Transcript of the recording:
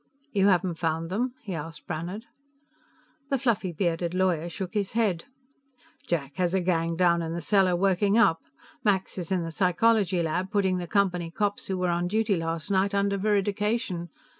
"You haven't found them?" he asked Brannhard. The fluffy bearded lawyer shook his head. "Jack has a gang down in the cellar, working up. Max is in the psychology lab, putting the Company cops who were on duty last night under veridication.